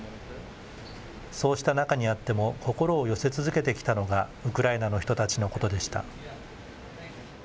そうした中にあっても、心を寄せ続けてきたのが、ウクライナの人たちのことでした。